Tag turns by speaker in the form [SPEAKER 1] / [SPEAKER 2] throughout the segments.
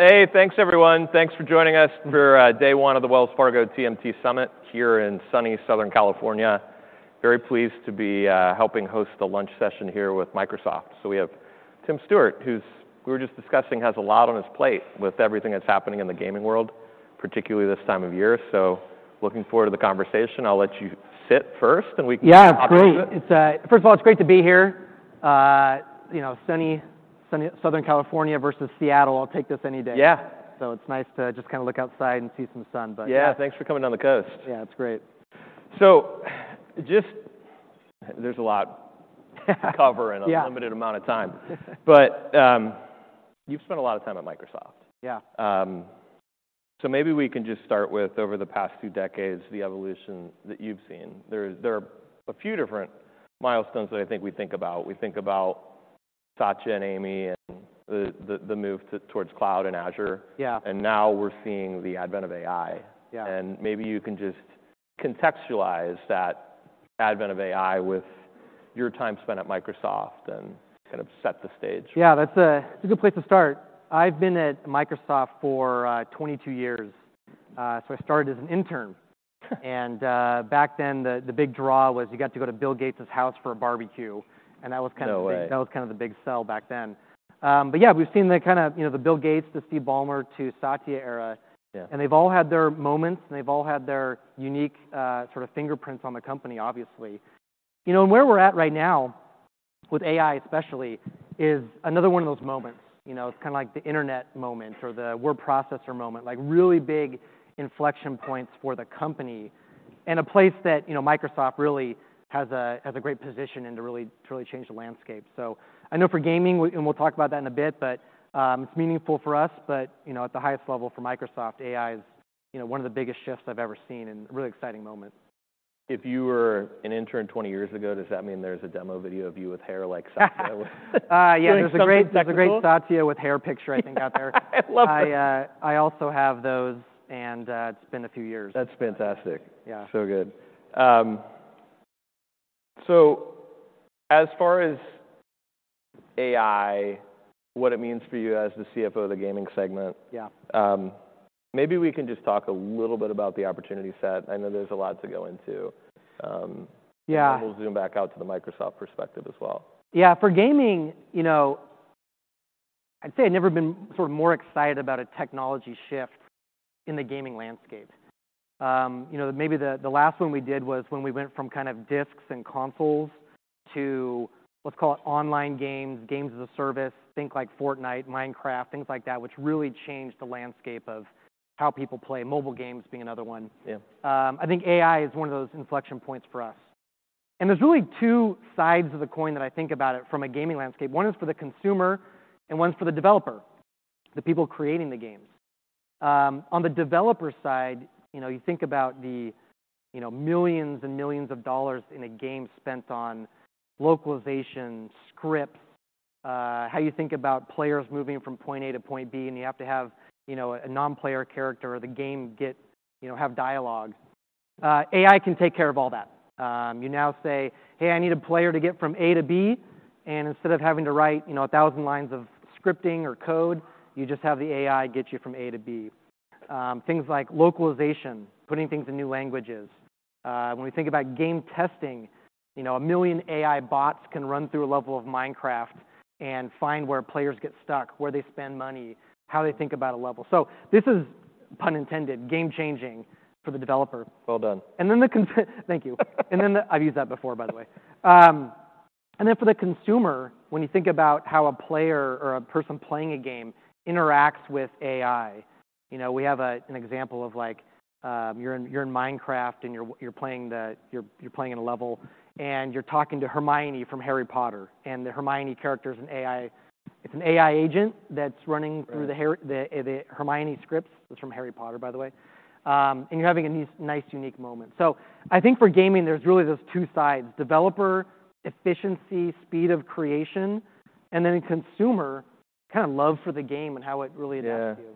[SPEAKER 1] Hey, thanks everyone. Thanks for joining us for day one of the Wells Fargo TMT Summit here in sunny Southern California. Very pleased to be helping host the lunch session here with Microsoft. So we have Tim Stuart, who's, we were just discussing, has a lot on his plate with everything that's happening in the gaming world, particularly this time of year. So, looking forward to the conversation. I'll let you sit first, and we can-
[SPEAKER 2] Yeah, great.
[SPEAKER 1] Talk a bit.
[SPEAKER 2] First of all, it's great to be here. You know, sunny, sunny Southern California versus Seattle, I'll take this any day.
[SPEAKER 1] Yeah.
[SPEAKER 2] It's nice to just kinda look outside and see some sun, but-
[SPEAKER 1] Yeah, thanks for coming down the coast.
[SPEAKER 2] Yeah, it's great.
[SPEAKER 1] So, just, there's a lot to cover.
[SPEAKER 2] Yeah.
[SPEAKER 1] - in a limited amount of time. But you've spent a lot of time at Microsoft.
[SPEAKER 2] Yeah.
[SPEAKER 1] So maybe we can just start with over the past few decades, the evolution that you've seen. There are a few different milestones that I think we think about. We think about Satya and Amy and the move towards cloud and Azure.
[SPEAKER 2] Yeah.
[SPEAKER 1] Now we're seeing the advent of AI.
[SPEAKER 2] Yeah.
[SPEAKER 1] Maybe you can just contextualize that advent of AI with your time spent at Microsoft, and kind of set the stage.
[SPEAKER 2] Yeah, that's a good place to start. I've been at Microsoft for 22 years. I started as an intern. Back then, the big draw was you got to go to Bill Gates's house for a barbecue, and that was kind of the-
[SPEAKER 1] No way....
[SPEAKER 2] that was kind of the big sell back then. But yeah, we've seen the kind of, you know, the Bill Gates to Steve Ballmer to Satya era.
[SPEAKER 1] Yeah.
[SPEAKER 2] And they've all had their moments, and they've all had their unique, sort of fingerprints on the company, obviously. You know, and where we're at right now, with AI especially, is another one of those moments. You know, it's kind of like the Internet moment or the word processor moment, like, really big inflection points for the company, and a place that, you know, Microsoft really has a, has a great position and to really, really change the landscape. So I know for gaming, we- and we'll talk about that in a bit, but, it's meaningful for us. But, you know, at the highest level for Microsoft, AI is, you know, one of the biggest shifts I've ever seen and a really exciting moment.
[SPEAKER 1] If you were an intern 20 years ago, does that mean there's a demo video of you with hair like Satya?
[SPEAKER 2] Uh, yeah-
[SPEAKER 1] Showing some gray-
[SPEAKER 2] There's a great Satya with hair picture, I think, out there.
[SPEAKER 1] Love that.
[SPEAKER 2] I, I also have those, and it's been a few years.
[SPEAKER 1] That's fantastic.
[SPEAKER 2] Yeah.
[SPEAKER 1] So good. So as far as AI, what it means for you as the CFO of the gaming segment-
[SPEAKER 2] Yeah....
[SPEAKER 1] maybe we can just talk a little bit about the opportunity set. I know there's a lot to go into.
[SPEAKER 2] Yeah.
[SPEAKER 1] Then we'll zoom back out to the Microsoft perspective as well.
[SPEAKER 2] Yeah. For gaming, you know, I'd say I've never been sort of more excited about a technology shift in the gaming landscape. You know, maybe the last one we did was when we went from kind of discs and consoles to, let's call it online games, games as a service, think like Fortnite, Minecraft, things like that, which really changed the landscape of how people play. Mobile games being another one.
[SPEAKER 1] Yeah.
[SPEAKER 2] I think AI is one of those inflection points for us. There's really two sides of the coin that I think about it from a gaming landscape. One is for the consumer, and one's for the developer, the people creating the games. On the developer side, you know, you think about the, you know, millions and millions of dollars in a game spent on localization, script, how you think about players moving from point A to point B, and you have to have, you know, a non-player character, or the game get... You know, have dialogue. AI can take care of all that. You now say, "Hey, I need a player to get from A to B," and instead of having to write, you know, 1,000 lines of scripting or code, you just have the AI get you from A to B. Things like localization, putting things in new languages. When we think about game testing, you know, 1 million AI bots can run through a level of Minecraft and find where players get stuck, where they spend money, how they think about a level. So this is, pun intended, game-changing for the developer.
[SPEAKER 1] Well done.
[SPEAKER 2] And then, I've used that before, by the way. And then for the consumer, when you think about how a player or a person playing a game interacts with AI, you know, we have an example of, like, you're in Minecraft and you're playing in a level, and you're talking to Hermione from Harry Potter, and the Hermione character is an AI—it's an AI agent that's running-
[SPEAKER 1] Right....
[SPEAKER 2] through the Hermione scripts. It's from Harry Potter, by the way. And you're having a nice, nice unique moment. So, I think for gaming, there's really those two sides, developer efficiency, speed of creation, and then in consumer, kind of love for the game and how it really adapts you.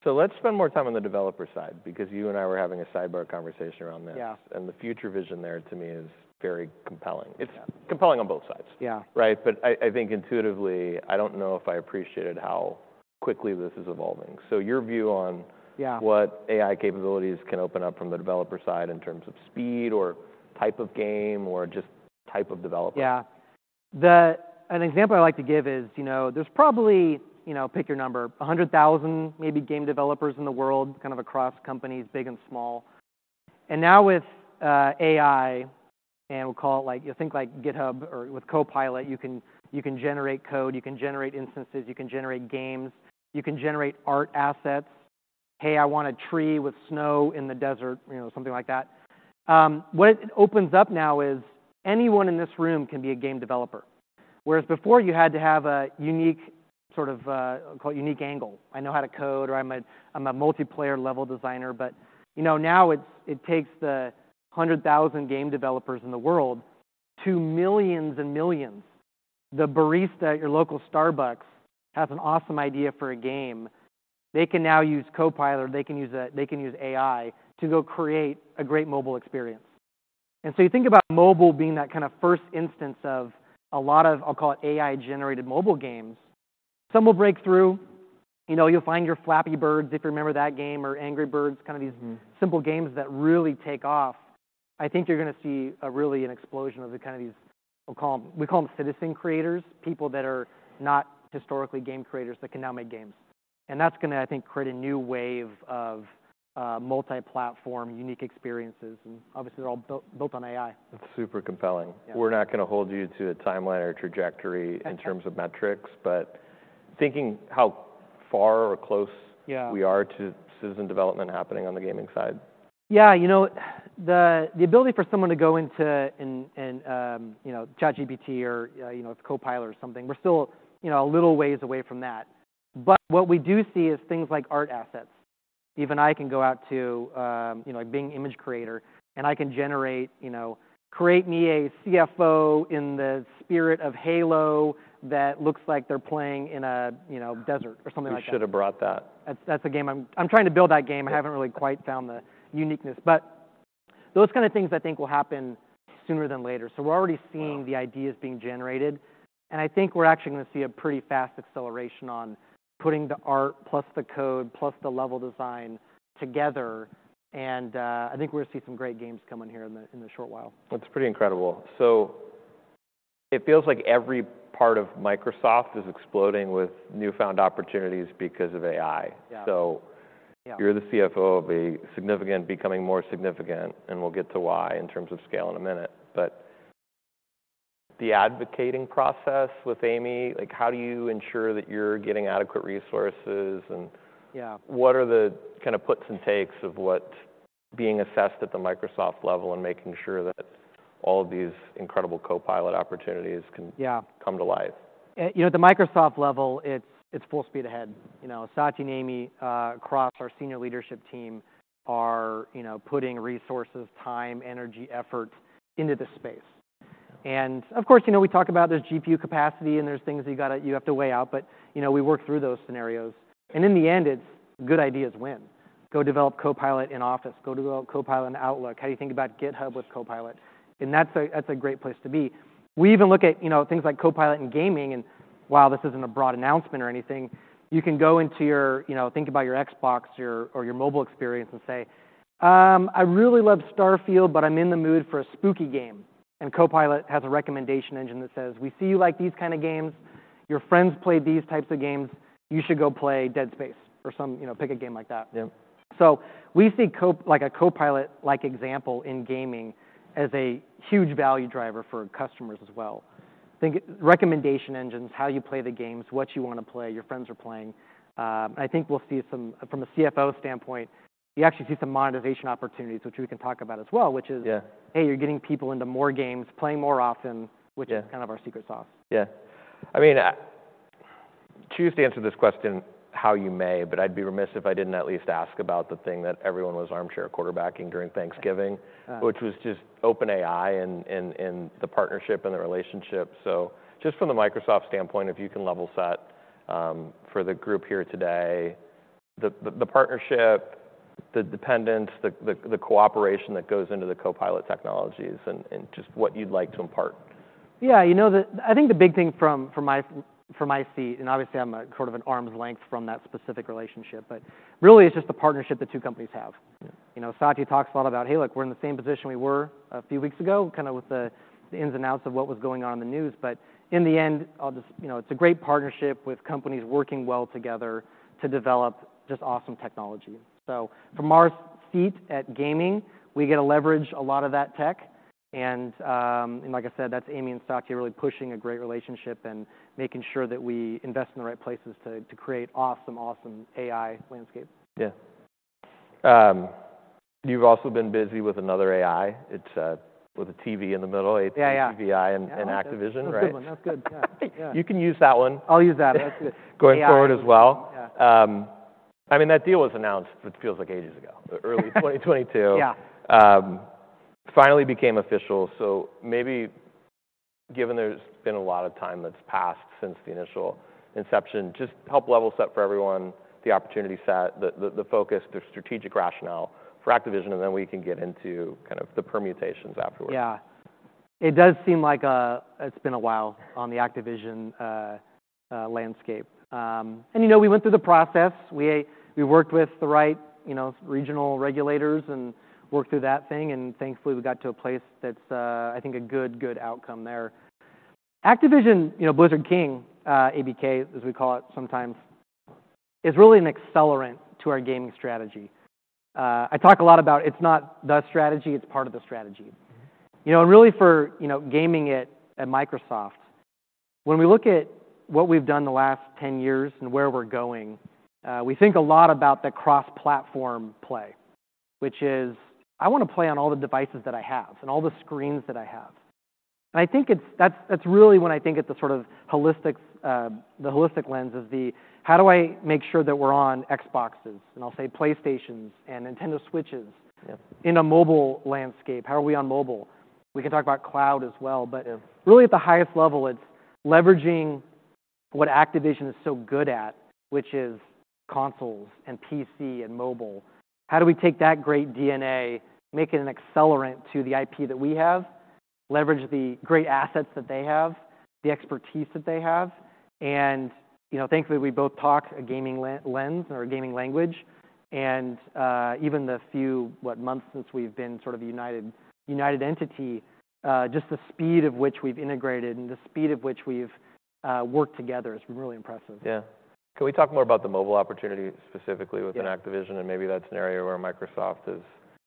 [SPEAKER 1] Yeah. So let's spend more time on the developer side, because you and I were having a sidebar conversation around this-
[SPEAKER 2] Yeah....
[SPEAKER 1] and the future vision there, to me, is very compelling.
[SPEAKER 2] Yeah.
[SPEAKER 1] It's compelling on both sides.
[SPEAKER 2] Yeah.
[SPEAKER 1] Right? But I think intuitively, I don't know if I appreciated how quickly this is evolving. So your view on-
[SPEAKER 2] Yeah....
[SPEAKER 1] what AI capabilities can open up from the developer side in terms of speed or type of game or just type of developer?
[SPEAKER 2] Yeah. An example I like to give is, you know, there's probably, you know, pick your number, 100,000 maybe game developers in the world, kind of across companies, big and small. And now with AI, and we'll call it, like, you think like GitHub or with Copilot, you can, you can generate code, you can generate instances, you can generate games, you can generate art assets. "Hey, I want a tree with snow in the desert," you know, something like that. What it opens up now is, anyone in this room can be a game developer, whereas before you had to have a unique sort of, call it unique angle. "I know how to code," or "I'm a multiplayer-level designer." But, you know, now it takes the 100,000 game developers in the world to millions and millions. The barista at your local Starbucks has an awesome idea for a game. They can now use Copilot, they can use, they can use AI to go create a great mobile experience.... And so you think about mobile being that kind of first instance of a lot of, I'll call it, AI-generated mobile games. Some will break through. You know, you'll find your Flappy Birds, if you remember that game, or Angry Birds, kind of these-
[SPEAKER 1] Mm....
[SPEAKER 2] simple games that really take off. I think you're gonna see a really an explosion of the kind of these, we'll call them, we call them citizen creators, people that are not historically game creators that can now make games. And that's gonna, I think, create a new wave of multi-platform, unique experiences, and obviously, they're all built, built on AI.
[SPEAKER 1] That's super compelling.
[SPEAKER 2] Yeah.
[SPEAKER 1] We're not gonna hold you to a timeline or trajectory in terms of metrics, but thinking how far or close.
[SPEAKER 2] Yeah.
[SPEAKER 1] We are to citizen development happening on the gaming side.
[SPEAKER 2] Yeah, you know, the ability for someone to go into, and you know, ChatGPT, or, you know, it's Copilot or something, we're still, you know, a little ways away from that. But what we do see is things like art assets. Even I can go out to, you know, like, Bing Image Creator, and I can generate, you know, "Create me a CFO in the spirit of Halo that looks like they're playing in a, you know, desert," or something like that.
[SPEAKER 1] You should have brought that.
[SPEAKER 2] That's a game I'm trying to build that game.
[SPEAKER 1] Yeah.
[SPEAKER 2] I haven't really quite found the uniqueness, but those kind of things I think will happen sooner than later. So we're already seeing-
[SPEAKER 1] Wow!...
[SPEAKER 2] the ideas being generated, and I think we're actually gonna see a pretty fast acceleration on putting the art, plus the code, plus the level design together, and I think we're gonna see some great games coming here in the short while.
[SPEAKER 1] That's pretty incredible. So it feels like every part of Microsoft is exploding with newfound opportunities because of AI.
[SPEAKER 2] Yeah.
[SPEAKER 1] So-
[SPEAKER 2] Yeah....
[SPEAKER 1] you're the CFO of a significant becoming more significant, and we'll get to why in terms of scale in a minute. But the advocating process with Amy, like, how do you ensure that you're getting adequate resources and-
[SPEAKER 2] Yeah....
[SPEAKER 1] what are the kind of puts and takes of what's being assessed at the Microsoft level and making sure that all of these incredible Copilot opportunities can-
[SPEAKER 2] Yeah.
[SPEAKER 1] -come to life?
[SPEAKER 2] You know, at the Microsoft level, it's full speed ahead. You know, Satya and Amy across our senior leadership team are, you know, putting resources, time, energy, effort into this space. And, of course, you know, we talk about there's GPU capacity, and there's things you've gotta, you have to weigh out, but, you know, we work through those scenarios. And in the end, it's good ideas win. Go develop Copilot in Office. Go develop Copilot in Outlook. How do you think about GitHub with Copilot? And that's a great place to be. We even look at, you know, things like Copilot in gaming, and while this isn't a broad announcement or anything, you can go into your, you know, think about your Xbox or your mobile experience and say, "I really love Starfield, but I'm in the mood for a spooky game." And Copilot has a recommendation engine that says, "We see you like these kind of games. Your friends play these types of games. You should go play Dead Space," or some, you know, pick a game like that.
[SPEAKER 1] Yeah.
[SPEAKER 2] So we see like, a Copilot-like example in gaming as a huge value driver for customers as well. Think recommendation engines, how you play the games, what you wanna play, your friends are playing. And I think we'll see some, from a CFO standpoint, you actually see some monetization opportunities, which we can talk about as well, which is-
[SPEAKER 1] Yeah....
[SPEAKER 2] hey, you're getting people into more games, playing more often-
[SPEAKER 1] Yeah....
[SPEAKER 2] which is kind of our secret sauce.
[SPEAKER 1] Yeah. I mean, choose to answer this question how you may, but I'd be remiss if I didn't at least ask about the thing that everyone was armchair quarterbacking during Thanksgiving-
[SPEAKER 2] Right, ah....
[SPEAKER 1] which was just OpenAI and the partnership and the relationship. So just from the Microsoft standpoint, if you can level set for the group here today, the partnership, the dependence, the cooperation that goes into the Copilot technologies, and just what you'd like to impart.
[SPEAKER 2] Yeah, you know, I think the big thing from my seat, and obviously, I'm a sort of an arm's length from that specific relationship, but really, it's just the partnership the two companies have.
[SPEAKER 1] Yeah.
[SPEAKER 2] You know, Satya talks a lot about, "Hey, look, we're in the same position we were a few weeks ago," kind of with the ins and outs of what was going on in the news. But in the end, all this, you know, it's a great partnership with companies working well together to develop just awesome technology. So from our seat at gaming, we get to leverage a lot of that tech, and like I said, that's Amy and Satya really pushing a great relationship and making sure that we invest in the right places to create awesome, awesome AI landscapes.
[SPEAKER 1] Yeah. You've also been busy with another AI. It's with a TV in the middle-
[SPEAKER 2] Yeah, yeah....
[SPEAKER 1] ATVI and Activision, right?
[SPEAKER 2] That's a good one. That's good, yeah.
[SPEAKER 1] You can use that one.
[SPEAKER 2] I'll use that. That's good.
[SPEAKER 1] Going forward as well.
[SPEAKER 2] Yeah.
[SPEAKER 1] I mean, that deal was announced. It feels like ages ago. Early 2022.
[SPEAKER 2] Yeah.
[SPEAKER 1] Finally became official, so maybe given there's been a lot of time that's passed since the initial inception, just help level set for everyone the opportunity set, the focus, the strategic rationale for Activision, and then we can get into kind of the permutations afterward.
[SPEAKER 2] Yeah. It does seem like, it's been a while on the Activision landscape. And, you know, we went through the process. We worked with the right, you know, regional regulators and worked through that thing, and thankfully, we got to a place that's, I think a good, good outcome there. Activision, you know, Blizzard King, ABK, as we call it sometimes, is really an accelerant to our gaming strategy. I talk a lot about it's not the strategy, it's part of the strategy. You know, and really, for, you know, gaming at Microsoft, when we look at what we've done the last 10 years and where we're going, we think a lot about the cross-platform play, which is, I wanna play on all the devices that I have and all the screens that I have. And I think that's really when I think at the sort of holistic lens is the how do I make sure that we're on Xboxes? And I'll say PlayStations and Nintendo Switches-
[SPEAKER 1] Yeah....
[SPEAKER 2] in a mobile landscape. How are we on mobile? We can talk about cloud as well, but-
[SPEAKER 1] Yeah....
[SPEAKER 2] really at the highest level, it's leveraging what Activision is so good at, which is consoles, and PC, and mobile. How do we take that great DNA, make it an accelerant to the IP that we have, leverage the great assets that they have, the expertise that they have? And, you know, thankfully, we both talk a gaming lens, or a gaming language. And even the few, what, months since we've been sort of united entity, just the speed of which we've integrated and the speed of which we've worked together has been really impressive.
[SPEAKER 1] Yeah. Can we talk more about the mobile opportunity specifically?
[SPEAKER 2] Yeah.
[SPEAKER 1] within Activision, and maybe that's an area where Microsoft has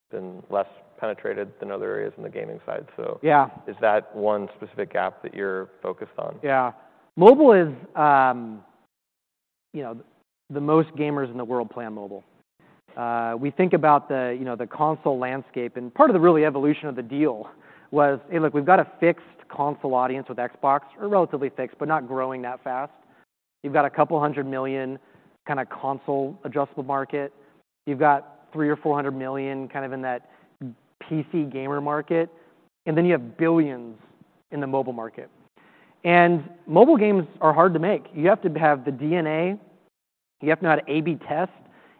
[SPEAKER 1] been less penetrated than other areas in the gaming side, so-
[SPEAKER 2] Yeah.
[SPEAKER 1] Is that one specific app that you're focused on?
[SPEAKER 2] Yeah. Mobile is, you know, the most gamers in the world play on mobile. We think about you know, the console landscape, and part of the real evolution of the deal was, "Hey, look, we've got a fixed console audience with Xbox," or relatively fixed, but not growing that fast. You've got 200 million kinda console adjustable market. You've got 300 million or 400 million kind of in that PC gamer market, and then you have billions in the mobile market. And mobile games are hard to make. You have to have the DNA, you have to know how to AB test,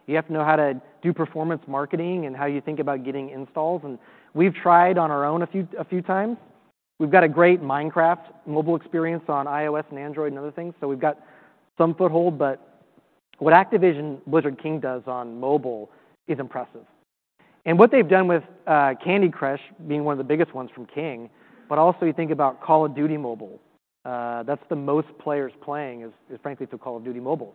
[SPEAKER 2] you have to know how to do performance marketing and how you think about getting installs, and we've tried on our own a few times. We've got a great Minecraft mobile experience on iOS and Android and other things, so we've got some foothold, but what Activision Blizzard King does on mobile is impressive. And what they've done with, Candy Crush being one of the biggest ones from King, but also you think about Call of Duty Mobile. That's the most players playing is frankly through Call of Duty Mobile.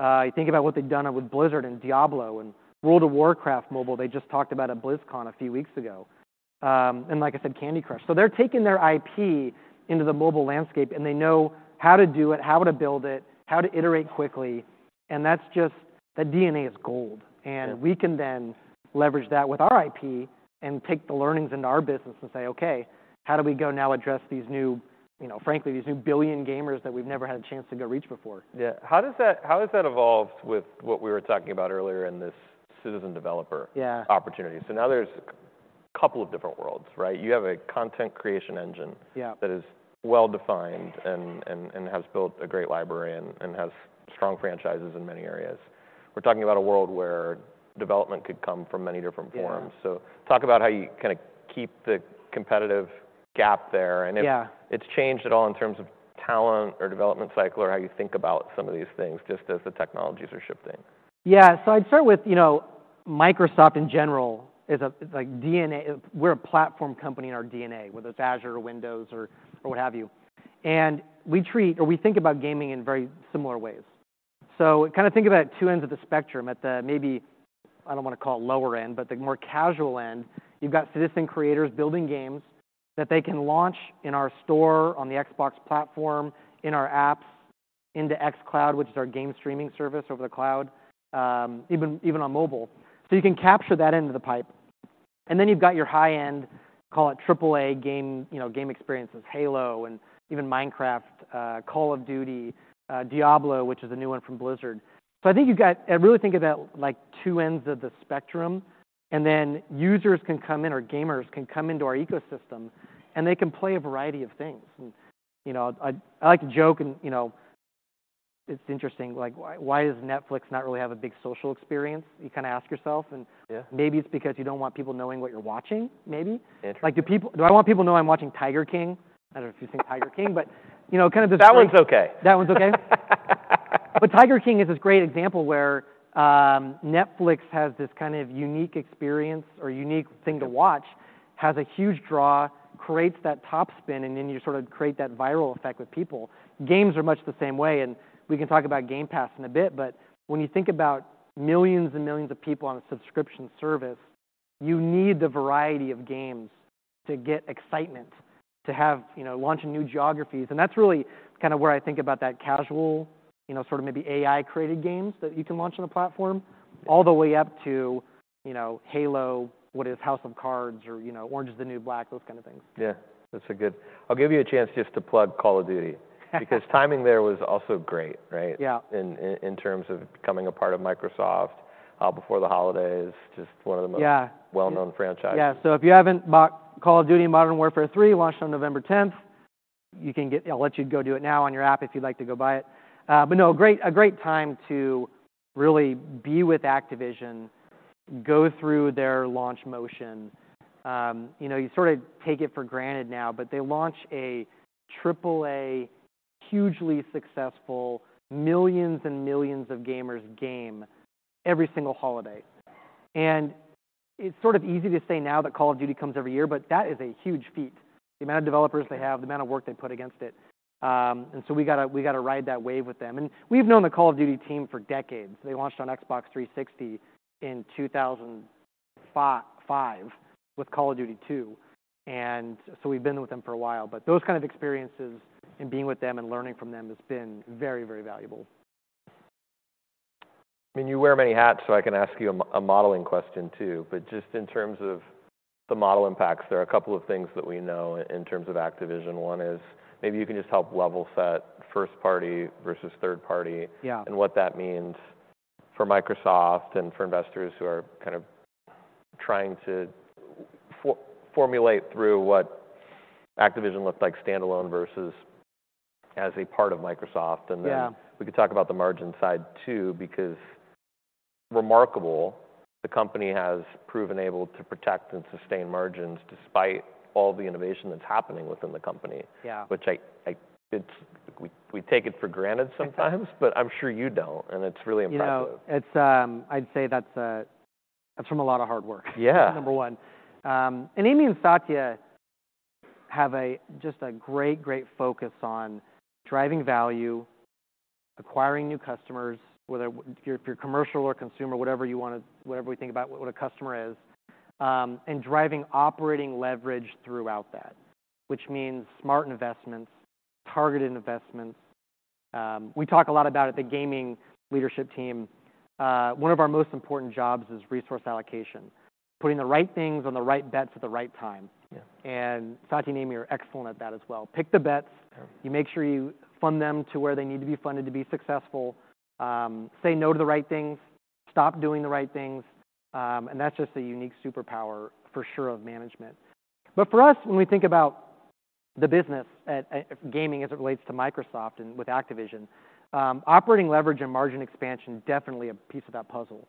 [SPEAKER 2] You think about what they've done with Blizzard, and Diablo, and World of Warcraft mobile, they just talked about at BlizzCon a few weeks ago. And like I said, Candy Crush. So they're taking their IP into the mobile landscape, and they know how to do it, how to build it, how to iterate quickly, and that's just... That DNA is gold.
[SPEAKER 1] Yeah.
[SPEAKER 2] We can then leverage that with our IP and take the learnings into our business and say, "Okay, how do we go now address these new, you know, frankly, these new billion gamers that we've never had a chance to go reach before?
[SPEAKER 1] Yeah. How does that, how has that evolved with what we were talking about earlier in this citizen developer-
[SPEAKER 2] Yeah.
[SPEAKER 1] opportunity? So now there's a couple of different worlds, right? You have a content creation engine-
[SPEAKER 2] Yeah....
[SPEAKER 1] that is well-defined and has built a great library and has strong franchises in many areas. We're talking about a world where development could come from many different forms.
[SPEAKER 2] Yeah.
[SPEAKER 1] Talk about how you kinda keep the competitive gap there, and if-
[SPEAKER 2] Yeah....
[SPEAKER 1] it's changed at all in terms of talent, or development cycle, or how you think about some of these things, just as the technologies are shifting.
[SPEAKER 2] Yeah, so I'd start with, you know, Microsoft in general is a, like, DNA—we're a platform company in our DNA, whether it's Azure or Windows or, or what have you. And we treat or we think about gaming in very similar ways. So kinda think about two ends of the spectrum, at the maybe, I don't wanna call it lower end, but the more casual end, you've got citizen creators building games that they can launch in our store, on the Xbox platform, in our apps, into xCloud, which is our game streaming service over the cloud, even on mobile. So you can capture that end of the pipe, and then you've got your high-end, call it triple A game, you know, game experiences, Halo, and even Minecraft, Call of Duty, Diablo, which is a new one from Blizzard. So I think you've got... I really think about, like, two ends of the spectrum, and then users can come in, or gamers can come into our ecosystem, and they can play a variety of things. And, you know, I, I like to joke and, you know, it's interesting, like, why, why does Netflix not really have a big social experience? You kinda ask yourself, and-
[SPEAKER 1] Yeah....
[SPEAKER 2] maybe it's because you don't want people knowing what you're watching, maybe.
[SPEAKER 1] Interesting.
[SPEAKER 2] Like, do I want people to know I'm watching Tiger King? I don't know if you've seen Tiger King, but you know, kind of this-
[SPEAKER 1] That one's okay.
[SPEAKER 2] That one's okay? But Tiger King is this great example where, Netflix has this kind of unique experience or unique thing to watch, has a huge draw, creates that top spin, and then you sort of create that viral effect with people. Games are much the same way, and we can talk about Game Pass in a bit, but when you think about millions and millions of people on a subscription service, you need the variety of games to get excitement, to have, you know, launch in new geographies. And that's really kinda where I think about that casual, you know, sort of maybe AI-created games that you can launch on the platform, all the way up to, you know, Halo, what is House of Cards, or, you know, Orange is the New Black, those kind of things.
[SPEAKER 1] Yeah, that's a good... I'll give you a chance just to plug Call of Duty. Because timing there was also great, right?
[SPEAKER 2] Yeah.
[SPEAKER 1] In terms of becoming a part of Microsoft, before the holidays, just one of the most-
[SPEAKER 2] Yeah....
[SPEAKER 1] well-known franchises.
[SPEAKER 2] Yeah, so if you haven't bought Call of Duty: Modern Warfare III, launched on November 10th, you can get... I'll let you go do it now on your app if you'd like to go buy it. But no, great, a great time to really be with Activision, go through their launch motion. You know, you sort of take it for granted now, but they launch a triple-A, hugely successful, millions and millions of gamers game every single holiday. And it's sort of easy to say now that Call of Duty comes every year, but that is a huge feat. The amount of developers they have-
[SPEAKER 1] Yeah....
[SPEAKER 2] the amount of work they put against it. And so we gotta ride that wave with them. And we've known the Call of Duty team for decades. They launched on Xbox 360 in 2005 with Call of Duty 2, and so we've been with them for a while. But those kinds of experiences, and being with them, and learning from them has been very, very valuable.
[SPEAKER 1] I mean, you wear many hats, so I can ask you a modeling question, too. But just in terms of the model impacts, there are a couple of things that we know in terms of Activision. One is, maybe you can just help level set first party versus third party-
[SPEAKER 2] Yeah....
[SPEAKER 1] and what that means for Microsoft and for investors who are kind of trying to formulate through what Activision looked like standalone versus as a part of Microsoft.
[SPEAKER 2] Yeah.
[SPEAKER 1] And then we could talk about the margin side, too, because remarkable, the company has proven able to protect and sustain margins despite all the innovation that's happening within the company.
[SPEAKER 2] Yeah.
[SPEAKER 1] Which I, it's we take it for granted sometimes, but I'm sure you don't, and it's really impressive.
[SPEAKER 2] You know, it's, I'd say that's, that's from a lot of hard work.
[SPEAKER 1] Yeah.
[SPEAKER 2] Number one. And Amy and Satya have a, just a great, great focus on driving value, acquiring new customers, whether if you're, if you're commercial or consumer, whatever you wanna, whatever we think about what a customer is, and driving operating leverage throughout that, which means smart investments, targeted investments. We talk a lot about it, the gaming leadership team, one of our most important jobs is resource allocation, putting the right things on the right bets at the right time.
[SPEAKER 1] Yeah.
[SPEAKER 2] And Satya and Amy are excellent at that as well. Pick the bets-
[SPEAKER 1] Yeah....
[SPEAKER 2] you make sure you fund them to where they need to be funded to be successful. Say no to the right things, stop doing the right things, and that's just a unique superpower, for sure, of management. But for us, when we think about the business at gaming as it relates to Microsoft and with Activision, operating leverage and margin expansion, definitely a piece of that puzzle.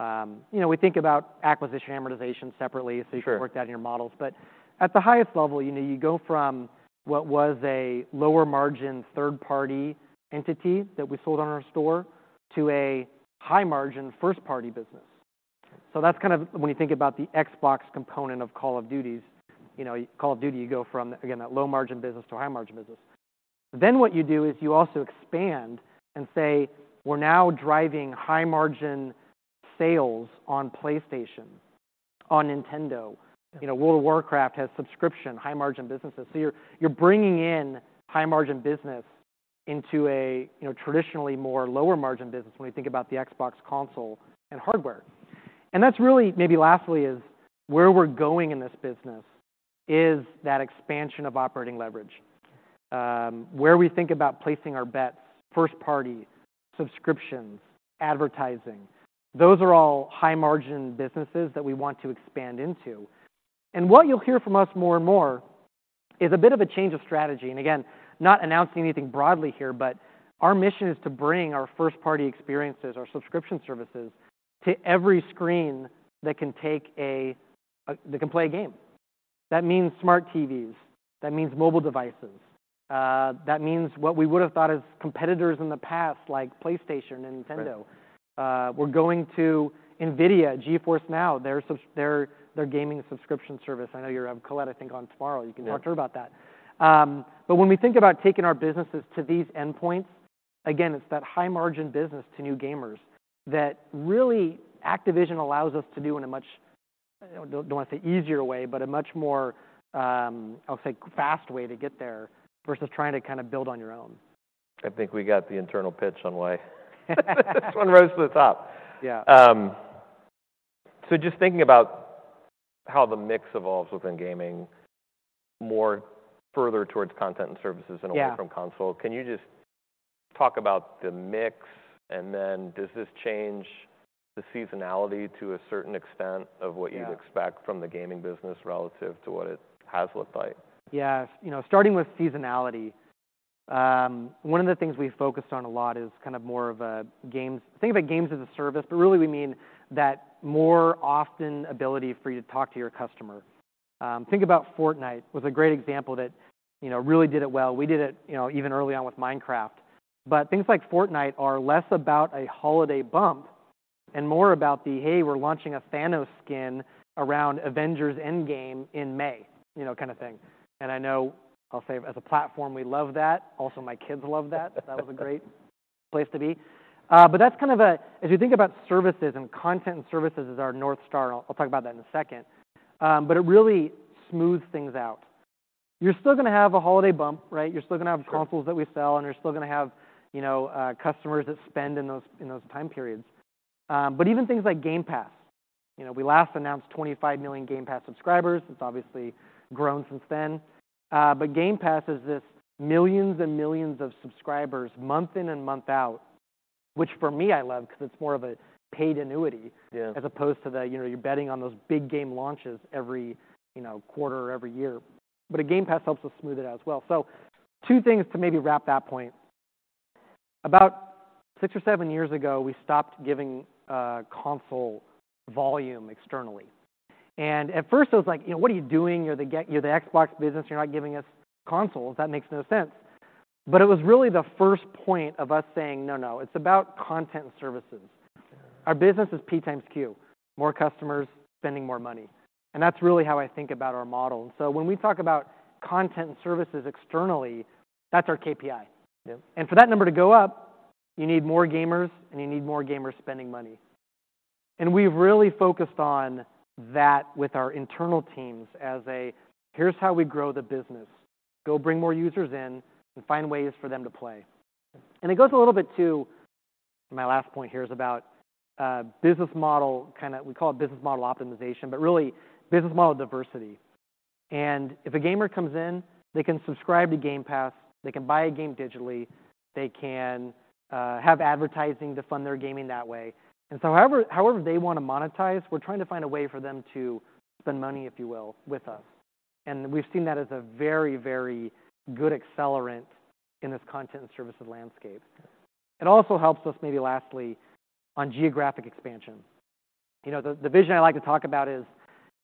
[SPEAKER 2] You know, we think about acquisition amortization separately-
[SPEAKER 1] Sure....
[SPEAKER 2] so you can work that in your models. But at the highest level, you know, you go from what was a lower margin, third-party entity that we sold on our store, to a high-margin, first-party business. So that's kind of when you think about the Xbox component of Call of Duty, you know, Call of Duty, you go from, again, that low-margin business to a high-margin business. Then what you do is you also expand and say, "We're now driving high-margin sales on PlayStation, on Nintendo.
[SPEAKER 1] Yeah.
[SPEAKER 2] You know, World of Warcraft has subscription, high-margin businesses. So you're bringing in high-margin business into a, you know, traditionally more lower-margin business, when we think about the Xbox console and hardware. And that's really, maybe lastly, is where we're going in this business, is that expansion of operating leverage. Where we think about placing our bets, first party, subscriptions, advertising, those are all high-margin businesses that we want to expand into. And what you'll hear from us more and more is a bit of a change of strategy, and again, not announcing anything broadly here, but our mission is to bring our first-party experiences, our subscription services, to every screen that can take a, that can play a game. That means smart TVs, that means mobile devices, that means what we would've thought as competitors in the past, like PlayStation and Nintendo.
[SPEAKER 1] Right.
[SPEAKER 2] We're going to NVIDIA, GeForce NOW, their gaming subscription service. I know you have Colette, I think, on tomorrow.
[SPEAKER 1] Yeah.
[SPEAKER 2] You can talk to her about that. But when we think about taking our businesses to these endpoints, again, it's that high-margin business to new gamers, that really Activision allows us to do in a much, I don't wanna say easier way, but a much more, I'll say, fast way to get there, versus trying to kinda build on your own.
[SPEAKER 1] I think we got the internal pitch on the way. This one rose to the top.
[SPEAKER 2] Yeah.
[SPEAKER 1] So, just thinking about how the mix evolves within gaming, more further towards content and services-
[SPEAKER 2] Yeah....
[SPEAKER 1] and away from console, can you just talk about the mix? And then does this change the seasonality to a certain extent-
[SPEAKER 2] Yeah....
[SPEAKER 1] of what you'd expect from the gaming business relative to what it has looked like?
[SPEAKER 2] Yeah. You know, starting with seasonality, one of the things we've focused on a lot is kind of more of a games... think about games as a service, but really we mean that more often ability for you to talk to your customer. Think about Fortnite, was a great example that, you know, really did it well. We did it, you know, even early on with Minecraft. But things like Fortnite are less about a holiday bump and more about the, "Hey, we're launching a Thanos skin around Avengers: Endgame in May," you know, kinda thing. And I know, I'll say as a platform, we love that. Also, my kids love that. So that was a great place to be. But that's kind of a... If you think about services, and content and services is our North Star, I'll talk about that in a second, but it really smoothed things out. You're still gonna have a holiday bump, right? You're still gonna have-
[SPEAKER 1] Sure.
[SPEAKER 2] ...consoles that we sell, and you're still gonna have, you know, customers that spend in those, in those time periods. But even things like Game Pass, you know, we last announced 25 million Game Pass subscribers. It's obviously grown since then. But Game Pass is this millions and millions of subscribers, month in and month out, which for me, I love, because it's more of a paid annuity-
[SPEAKER 1] Yeah....
[SPEAKER 2] as opposed to the, you know, you're betting on those big game launches every, you know, quarter or every year. But a Game Pass helps us smooth it out as well. So two things to maybe wrap that point: about six or seven years ago, we stopped giving console volume externally, and at first it was like, "You know, what are you doing? You're the Xbox business, you're not giving us consoles. That makes no sense." But it was really the first point of us saying, "No, no, it's about content and services.
[SPEAKER 1] Sure.
[SPEAKER 2] Our business is P times Q, more customers spending more money, and that's really how I think about our model. When we talk about content and services externally, that's our KPI.
[SPEAKER 1] Yeah.
[SPEAKER 2] For that number to go up, you need more gamers, and you need more gamers spending money. We've really focused on that with our internal teams as a, "Here's how we grow the business. Go bring more users in and find ways for them to play." It goes a little bit to my last point here, is about business model, kinda, we call it business model optimization, but really business model diversity... and if a gamer comes in, they can subscribe to Game Pass, they can buy a game digitally, they can have advertising to fund their gaming that way. So however, however they wanna monetize, we're trying to find a way for them to spend money, if you will, with us, and we've seen that as a very, very good accelerant in this content and services landscape. It also helps us, maybe lastly, on geographic expansion. You know, the vision I like to talk about is,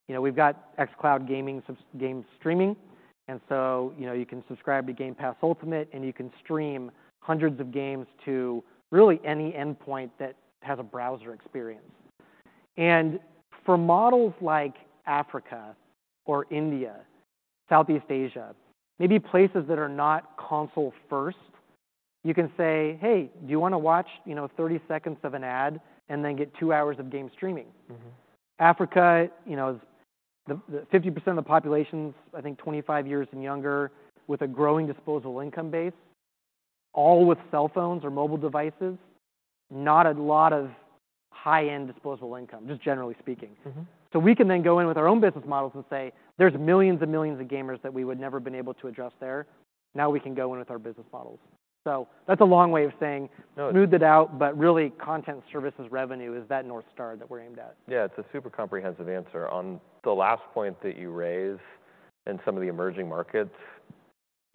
[SPEAKER 2] you know, we've got xCloud gaming subsc- game streaming, and so, you know, you can subscribe to Game Pass Ultimate, and you can stream hundreds of games to really any endpoint that has a browser experience. And for markets like Africa or India, Southeast Asia, maybe places that are not console first, you can say, "Hey, do you wanna watch, you know, 30 seconds of an ad and then get two hours of game streaming?
[SPEAKER 1] Mm-hmm.
[SPEAKER 2] Africa, you know, is the 50% of the population's, I think, 25 years and younger, with a growing disposable income base, all with cell phones or mobile devices. Not a lot of high-end disposable income, just generally speaking.
[SPEAKER 1] Mm-hmm.
[SPEAKER 2] So we can then go in with our own business models and say, "There's millions and millions of gamers that we would never have been able to address there. Now we can go in with our business models." So that's a long way of saying-
[SPEAKER 1] No.
[SPEAKER 2] Smooth it out, but really, content and services revenue is that North Star that we're aimed at.
[SPEAKER 1] Yeah, it's a super comprehensive answer. On the last point that you raised in some of the emerging markets,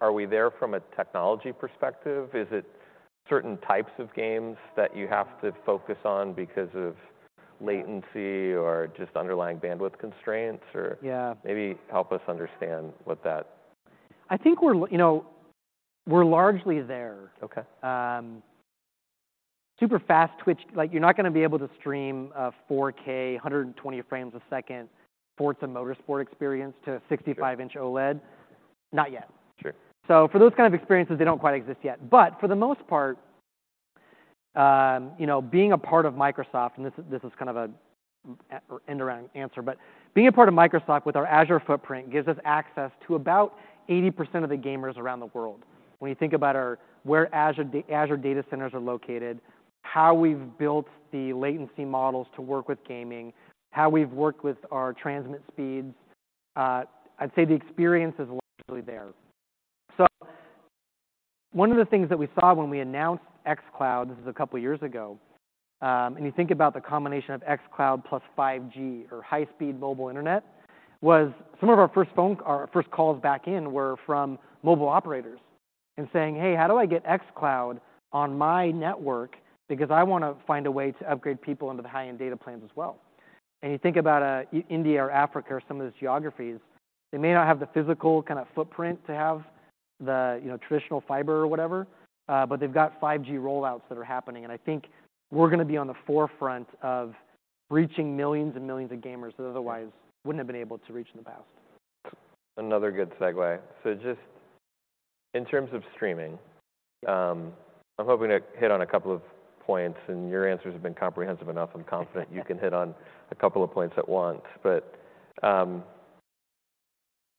[SPEAKER 1] are we there from a technology perspective? Is it certain types of games that you have to focus on because of latency or just underlying bandwidth constraints, or-
[SPEAKER 2] Yeah.
[SPEAKER 1] ...maybe help us understand what that.
[SPEAKER 2] I think we're you know, we're largely there.
[SPEAKER 1] Okay.
[SPEAKER 2] Super fast-twitched, like, you're not gonna be able to stream, 4K, 120 frames a second sports and motorsport experience to a 65-inch OLED. Not yet.
[SPEAKER 1] Sure.
[SPEAKER 2] So for those kind of experiences, they don't quite exist yet. But for the most part, you know, being a part of Microsoft, and this is kind of an end-around answer, but being a part of Microsoft with our Azure footprint gives us access to about 80% of the gamers around the world. When you think about where our Azure data centers are located, how we've built the latency models to work with gaming, how we've worked with our transmit speeds, I'd say the experience is largely there. So one of the things that we saw when we announced xCloud, this is a couple of years ago, and you think about the combination of xCloud plus 5G or high-speed mobile internet, was some of our first calls back in were from mobile operators and saying, "Hey, how do I get xCloud on my network? Because I wanna find a way to upgrade people into the high-end data plans as well." And you think about, India or Africa or some of those geographies, they may not have the physical kind of footprint to have the, you know, traditional fiber or whatever, but they've got 5G rollouts that are happening, and I think we're gonna be on the forefront of reaching millions and millions of gamers that otherwise-
[SPEAKER 1] Yeah....
[SPEAKER 2] wouldn't have been able to reach in the past.
[SPEAKER 1] Another good segue. So just in terms of streaming, I'm hoping to hit on a couple of points, and your answers have been comprehensive enough. I'm confident you can hit on a couple of points at once. But,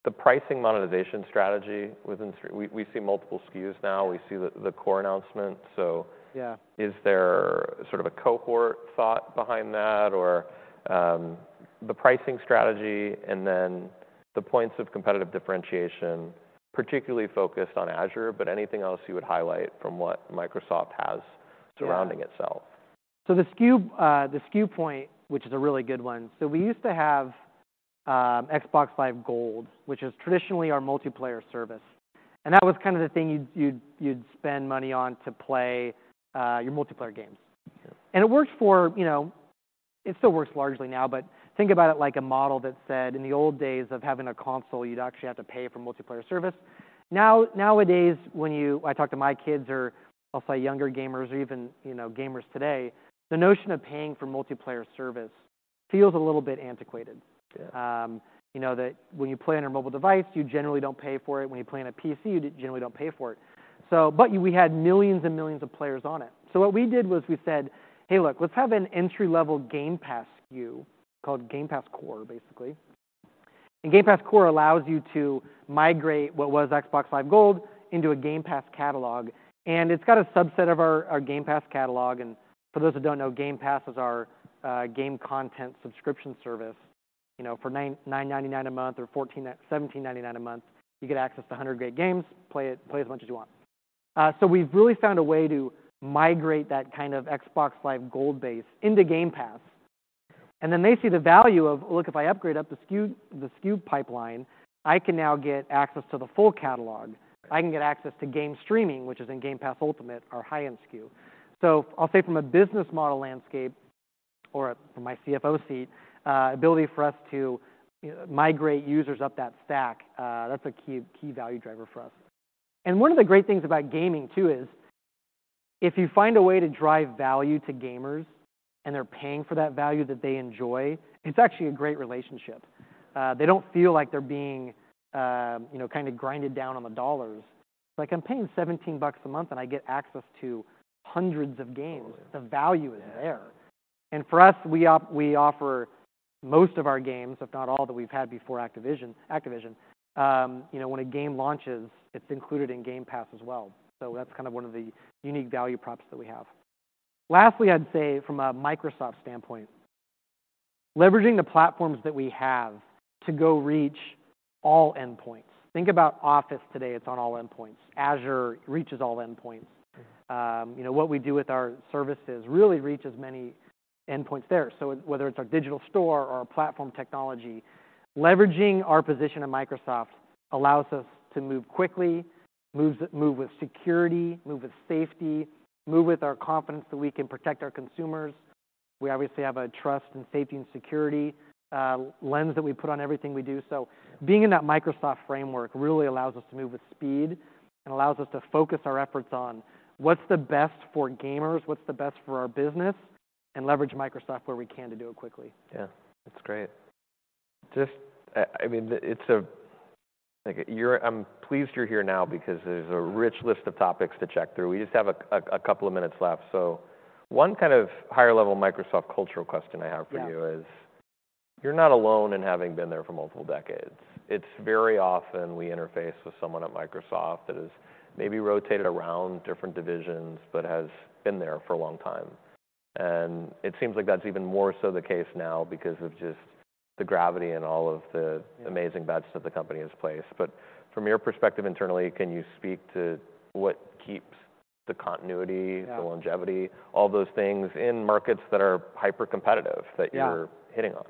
[SPEAKER 1] the pricing monetization strategy within streaming. We see multiple SKUs now. We see the core announcement, so-
[SPEAKER 2] Yeah....
[SPEAKER 1] is there sort of a cohort thought behind that or, the pricing strategy and then the points of competitive differentiation, particularly focused on Azure, but anything else you would highlight from what Microsoft has-
[SPEAKER 2] Yeah....
[SPEAKER 1] surrounding itself?
[SPEAKER 2] So the SKU point, which is a really good one. So we used to have Xbox Live Gold, which is traditionally our multiplayer service, and that was kind of the thing you'd spend money on to play your multiplayer games.
[SPEAKER 1] Yeah.
[SPEAKER 2] It worked for, you know. It still works largely now, but think about it like a model that said, in the old days of having a console, you'd actually have to pay for multiplayer service. Now, nowadays, when you—I talk to my kids or I'll say younger gamers or even, you know, gamers today, the notion of paying for multiplayer service feels a little bit antiquated.
[SPEAKER 1] Yeah.
[SPEAKER 2] You know, that when you play on a mobile device, you generally don't pay for it. When you play on a PC, you generally don't pay for it. So but we had millions and millions of players on it. So what we did was we said, "Hey, look, let's have an entry-level Game Pass SKU called Game Pass Core, basically." And Game Pass Core allows you to migrate what was Xbox Live Gold into a Game Pass catalog, and it's got a subset of our, our Game Pass catalog. And for those who don't know, Game Pass is our game content subscription service. You know, for $9.99 a month or $14.99-$17.99 a month, you get access to 100 great games, play as much as you want. So we've really found a way to migrate that kind of Xbox Live Gold base into Game Pass, and then they see the value of, "Look, if I upgrade up the SKU, the SKU pipeline, I can now get access to the full catalog. I can get access to game streaming," which is in Game Pass Ultimate, our high-end SKU. So I'll say from a business model landscape or from my CFO seat, ability for us to migrate users up that stack, that's a key, key value driver for us. And one of the great things about gaming, too, is if you find a way to drive value to gamers and they're paying for that value that they enjoy, it's actually a great relationship. They don't feel like they're being, you know, kind of grinded down on the dollars. Like, "I'm paying $17 a month, and I get access to hundreds of games.
[SPEAKER 1] Totally.
[SPEAKER 2] The value is there.
[SPEAKER 1] Yeah.
[SPEAKER 2] For us, we offer most of our games, if not all, that we've had before Activision. You know, when a game launches, it's included in Game Pass as well. So that's kind of one of the unique value props that we have. Lastly, I'd say from a Microsoft standpoint, leveraging the platforms that we have to go reach all endpoints. Think about Office today, it's on all endpoints. Azure reaches all endpoints. You know, what we do with our services really reaches many endpoints there. So whether it's our digital store or our platform technology, leveraging our position at Microsoft allows us to move quickly, move with security, move with safety, move with our confidence that we can protect our consumers. We obviously have a trust and safety and security lens that we put on everything we do. Being in that Microsoft framework really allows us to move with speed and allows us to focus our efforts on what's the best for gamers, what's the best for our business, and leverage Microsoft where we can to do it quickly.
[SPEAKER 1] Yeah, that's great. Just, I mean, it's like I'm pleased you're here now because there's a rich list of topics to check through. We just have a couple of minutes left. So one kind of higher-level Microsoft cultural question I have for you-
[SPEAKER 2] Yeah....
[SPEAKER 1] is you're not alone in having been there for multiple decades. It's very often we interface with someone at Microsoft that has maybe rotated around different divisions, but has been there for a long time. It seems like that's even more so the case now because of just the gravity and all of the-
[SPEAKER 2] Yeah.
[SPEAKER 1] amazing bets that the company has placed. But from your perspective, internally, can you speak to what keeps the continuity?
[SPEAKER 2] Yeah....
[SPEAKER 1] the longevity, all those things, in markets that are hyper-competitive-
[SPEAKER 2] Yeah.
[SPEAKER 1] that you're hitting on?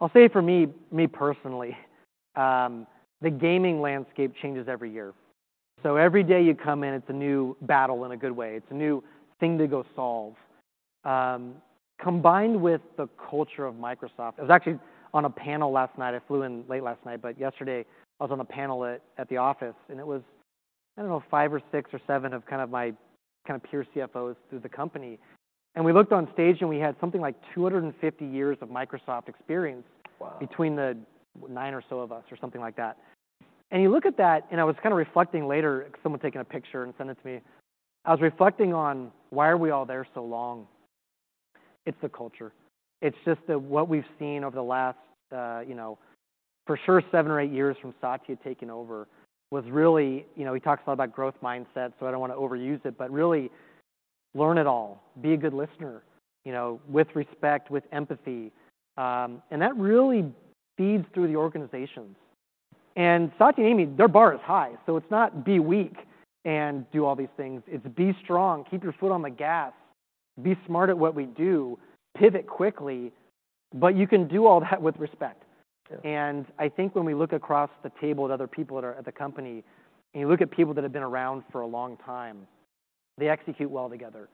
[SPEAKER 2] I'll say for me, me personally, the gaming landscape changes every year. So every day you come in, it's a new battle in a good way. It's a new thing to go solve. Combined with the culture of Microsoft... I was actually on a panel last night. I flew in late last night, but yesterday, I was on a panel at the office, and it was, I don't know, five or six or seven of kind of my kinda peer CFOs through the company. And we looked on stage, and we had something like 250 years of Microsoft experience-
[SPEAKER 1] Wow!
[SPEAKER 2] ...between the nine or so of us, or something like that. And you look at that, and I was kinda reflecting later, someone taking a picture and sending it to me. I was reflecting on, why are we all there so long? It's the culture. It's just that what we've seen over the last, you know, for sure, seven or eight years from Satya taking over, was really... You know, he talks a lot about growth mindset, so I don't wanna overuse it, but really, learn it all. Be a good listener, you know, with respect, with empathy. And that really feeds through the organizations. And Satya and Amy, their bar is high, so it's not be weak and do all these things. It's to be strong, keep your foot on the gas, be smart at what we do, pivot quickly, but you can do all that with respect.
[SPEAKER 1] Sure.
[SPEAKER 2] I think when we look across the table at other people that are at the company, and you look at people that have been around for a long time, they execute well together.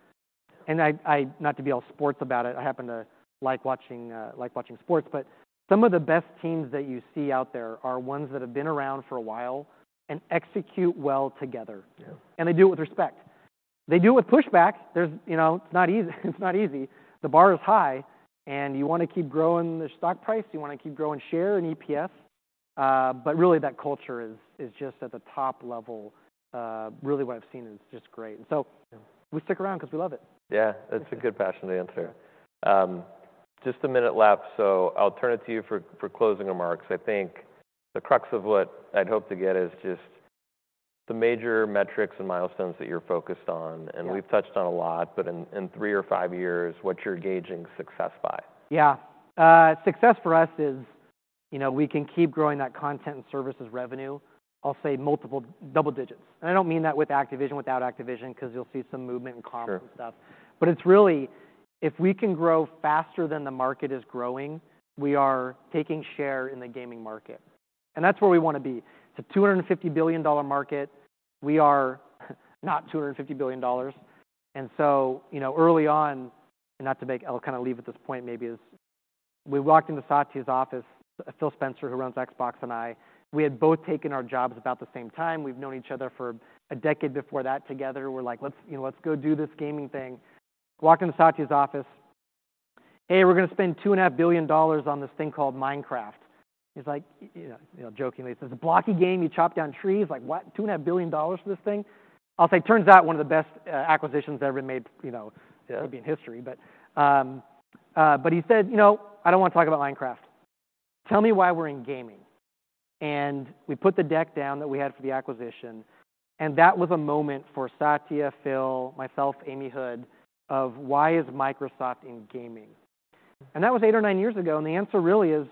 [SPEAKER 2] I not to be all sports about it, I happen to like watching like watching sports, but some of the best teams that you see out there are ones that have been around for a while and execute well together.
[SPEAKER 1] Yeah.
[SPEAKER 2] And they do it with respect. They do it with pushback. There's, you know, it's not easy. It's not easy. The bar is high, and you wanna keep growing the stock price, you wanna keep growing share and EPS, but really, that culture is, is just at the top level. Really, what I've seen is just great.
[SPEAKER 1] Yeah.
[SPEAKER 2] We stick around 'cause we love it.
[SPEAKER 1] Yeah, that's a good question to answer. Just a minute left, so I'll turn it to you for closing remarks. I think the crux of what I'd hope to get is just the major metrics and milestones that you're focused on.
[SPEAKER 2] Yeah.
[SPEAKER 1] We've touched on a lot, but in three or five years, what you're gauging success by.
[SPEAKER 2] Yeah. Success for us is, you know, we can keep growing that content and services revenue, I'll say multiple double digits. And I don't mean that with Activision, without Activision, 'cause you'll see some movement in commerce-
[SPEAKER 1] Sure....
[SPEAKER 2] and stuff. But it's really, if we can grow faster than the market is growing, we are taking share in the gaming market, and that's where we wanna be. It's a $250 billion market. We are not $250 billion. And so, you know, early on, and not to make... I'll kinda leave at this point, maybe is, we walked into Satya's office, Phil Spencer, who runs Xbox, and I. We had both taken our jobs about the same time. We've known each other for a decade before that together. We're like: "Let's, you know, let's go do this gaming thing." Walk into Satya's office, "Hey, we're gonna spend $2.5 billion on this thing called Minecraft." He's like, "Yeah," you know, jokingly, he says, "The blocky game, you chop down trees? Like, what? $2.5 billion for this thing?" I'll say, turns out one of the best acquisitions ever made, you know-
[SPEAKER 1] Yeah....
[SPEAKER 2] maybe in history. But he said, "You know, I don't wanna talk about Minecraft. Tell me why we're in gaming." And we put the deck down that we had for the acquisition, and that was a moment for Satya, Phil, myself, Amy Hood, of: Why is Microsoft in gaming? And that was eight or nine years ago, and the answer really is,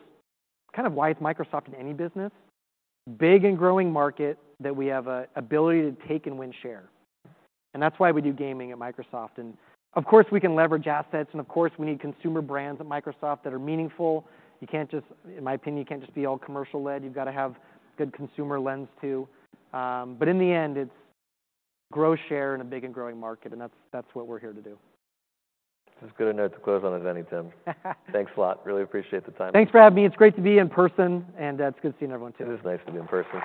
[SPEAKER 2] kind of why is Microsoft in any business? Big and growing market, that we have an ability to take and win share. And that's why we do gaming at Microsoft. And of course, we can leverage assets, and of course, we need consumer brands at Microsoft that are meaningful. You can't just, in my opinion, you can't just be all commercial-led. You've gotta have good consumer lens, too. But in the end, it's grow share in a big and growing market, and that's what we're here to do.
[SPEAKER 1] That's a good note to close on, if any, Tim. Thanks a lot. Really appreciate the time.
[SPEAKER 2] Thanks for having me. It's great to be in person, and it's good seeing everyone, too.
[SPEAKER 1] It is nice to be in person.